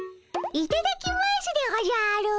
いただきますでおじゃる！